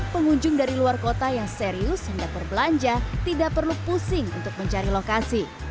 pengunjung dari luar kota yang serius hendak berbelanja tidak perlu pusing untuk mencari lokasi